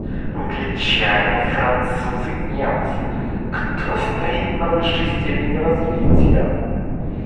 Англичане, Французы, Немцы — кто стоит на высшей степени развития?